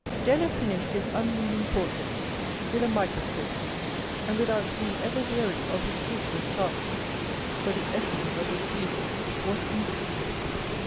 Denner finished his unmeaning portraits with a micro scope, and without being ever weary of his fruitless task ; for the essence of his genius was industry.